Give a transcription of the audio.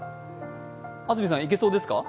安住さん、いけそうですか？